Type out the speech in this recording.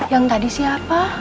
yang tadi siapa